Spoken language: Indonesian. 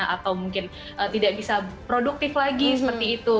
atau mungkin tidak bisa produktif lagi seperti itu